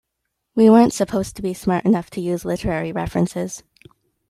We weren't supposed to be smart enough to use literary references.